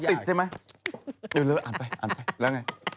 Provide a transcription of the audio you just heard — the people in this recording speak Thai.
หรือระอานไปมากรับไป